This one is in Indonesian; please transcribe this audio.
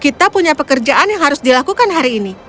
kita punya pekerjaan yang harus dilakukan hari ini